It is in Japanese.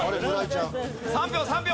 ３秒３秒！